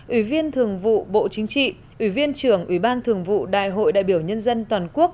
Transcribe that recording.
ủy viên thường vụ bộ chính trị ủy viên trưởng ủy ban thường vụ đại hội đại biểu nhân dân toàn quốc